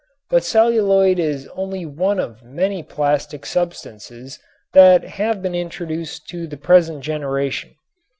But celluloid is only one of many plastic substances that have been introduced to the present generation.